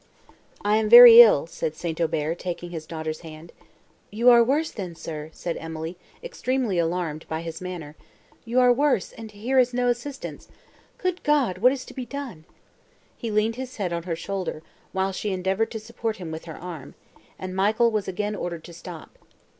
"I am very ill," said St. Aubert, taking his daughter's hand. "You are worse, then, sir!" said Emily, extremely alarmed by his manner, "you are worse, and here is no assistance. Good God! what is to be done!" He leaned his head on her shoulder, while she endeavoured to support him with her arm, and Michael was again ordered to stop.